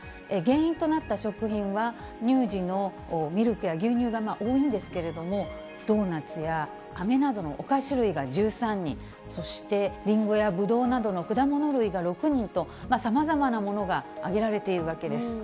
原因となった食品は乳児のミルクや牛乳が多いんですけれども、ドーナツやあめなどのお菓子類が１３人、そしてリンゴやブドウなどの果物類が６人と、さまざまなものが挙げられているわけです。